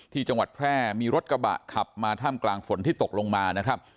ที่จังหวัดแพร่มีรถกระบะขับมาท่ามกลางฝนที่ตกลงมานะครับ